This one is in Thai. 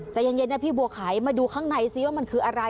ใจเย็นนะพี่บัวไขมาดูข้างในซิว่ามันคืออะไร